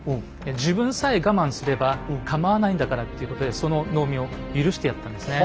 自分さえ我慢すればかまわないんだからっていうことでその農民を許してやったんですね。